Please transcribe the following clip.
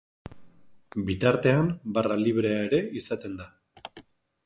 Bitartean barra librea ere izaten da.